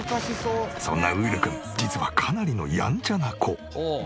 そんなウール君実はかなりのやんちゃな子。